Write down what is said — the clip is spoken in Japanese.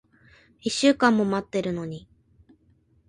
一週間も待ってるのに。